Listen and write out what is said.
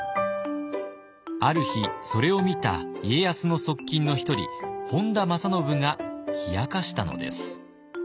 ある日それを見た家康の側近の１人本多正信が冷やかしたのです。